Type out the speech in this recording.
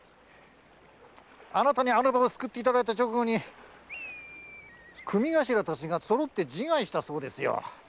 あなたにあの場を救っていただいた直後組頭たちがそろって自害したそうですよ。